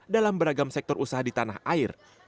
dalam beragam sektor usaha di tanah air